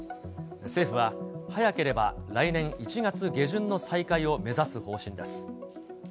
政府は、早ければ来年１月下旬の再開を目指す方針です。